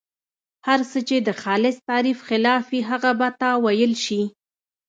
هر څه چې د خالص تعریف خلاف وي هغه به تاویل شي.